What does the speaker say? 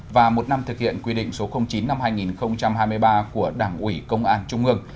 và một năm thực hiện quy định số chín năm hai nghìn hai mươi ba của đảng ủy công an trung ương